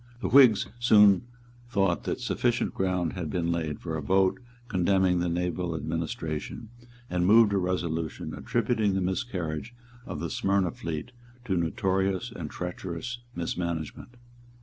The Whigs soon thought that sufficient ground had been laid for a vote condemning the naval administration, and moved a resolution attributing the miscarriage of the Smyrna fleet to notorious and treacherous mismanagement.